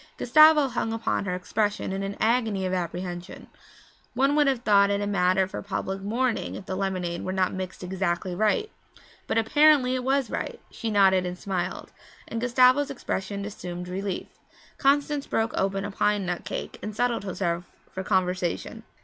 Gustavo hung upon her expression in an agony of apprehension; one would have thought it a matter for public mourning if the lemonade were not mixed exactly right. But apparently it was right she nodded and smiled and Gustavo's expression assumed relief. Constance broke open a pine nut cake and settled herself for conversation.